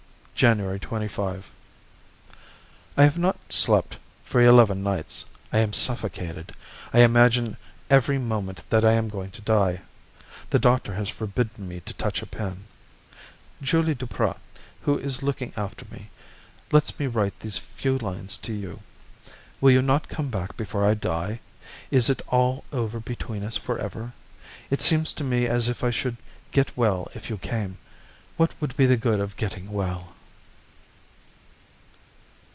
January 25. I have not slept for eleven nights. I am suffocated. I imagine every moment that I am going to die. The doctor has forbidden me to touch a pen. Julie Duprat, who is looking after me, lets me write these few lines to you. Will you not come back before I die? Is it all over between us forever? It seems to me as if I should get well if you came. What would be the good of getting well?